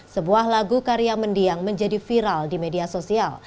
sebuah lagu karya mendiang menjadi viral di media sosial